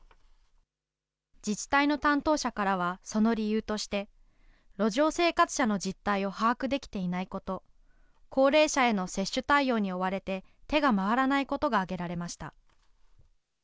自治体の担当者からは、その理由として、路上生活者の実態を把握できていないこと、高齢者への接種対応に追われて手が回らないことが挙げられました。